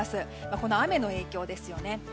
この雨の影響ですよね。